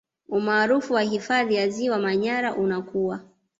Umaarufu wa hifadhi ya Ziwa Manyara unakua